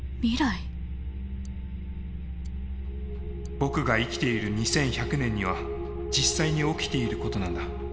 僕が生きている２１００年には実際に起きていることなんだ。